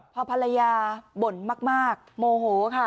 พอภรรยาบ่นมากโมโหค่ะ